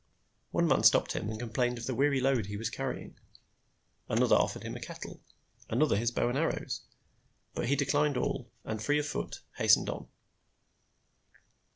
One man stopped him and complained of the weary load he was carrying. Another offered him a kettle; another his bow and arrows; but he declined all, and, free of foot, hastened on.